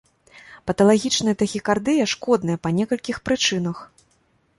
Паталагічная тахікардыя шкодная па некалькіх прычынах.